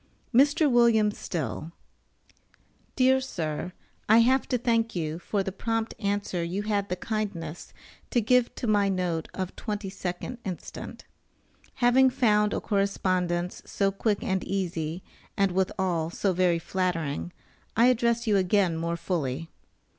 MR. WM. STILL Dear Sir: I have to thank you for the prompt answer you had the kindness to give to my note of 22d inst. Having found a correspondence so quick and easy, and withal so very flattering, I address you again more fully.